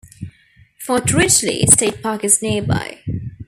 Fort Ridgely State Park is nearby.